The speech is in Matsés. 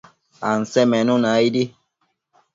Ansemenuna aidi